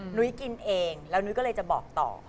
นุ้ยกินเองแล้วนุ้ยก็เลยจะบอกต่อ